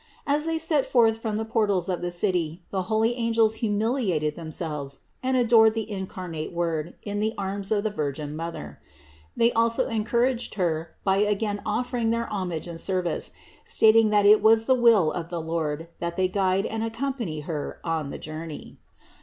As they set forth from the 529 530 CITY OF GOD portals of the city the holy angels humiliated themselves and adored the incarnate Word in the arms of the Virgin Mother. They also encouraged Her by again offering their homage and service, stating that it was the will of the Lord that they guide and accompany Her on the journey.